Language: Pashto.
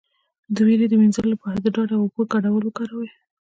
د ویرې د مینځلو لپاره د ډاډ او اوبو ګډول وکاروئ